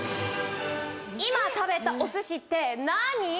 今食べたお寿司って何？